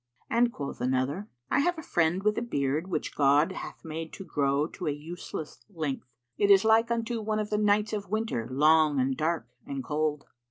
And quoth another,[FN#468] 'I have a friend with a beard which God hath made to grow to a useless length, It is like unto one of the nights of winter long and dark and cold.'"